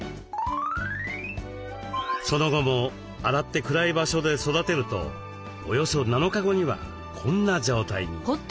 その後も洗って暗い場所で育てるとおよそ７日後にはこんな状態に。